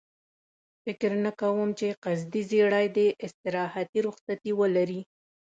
فکر نه کوم چې قصدي ژېړی دې استراحتي رخصتي ولري.